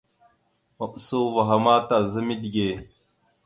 Maɓəsa uvah a ma taza midǝge.